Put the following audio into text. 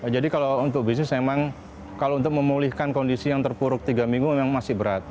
jadi kalau untuk bisnis memang kalau untuk memulihkan kondisi yang terpuruk tiga minggu memang masih berat